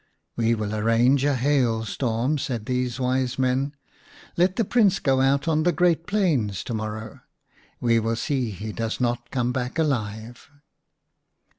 " We will arrange a hail storm," said these wise men. " Let the Prince go out on the great plains to morrow. We will see he does not come back alive."